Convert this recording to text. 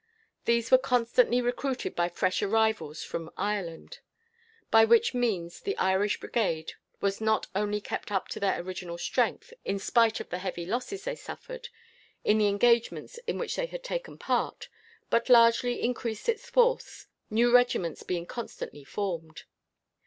These were constantly recruited by fresh arrivals from Ireland, by which means the Irish Brigade was not only kept up to their original strength, in spite of the heavy losses they suffered, in the engagements in which they had taken part, but largely increased its force, new regiments being constantly formed.